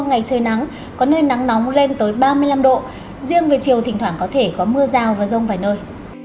ngày trời nắng có nơi nắng nóng lên tới ba mươi năm độ riêng về chiều thỉnh thoảng có thể có mưa rào và rông vài nơi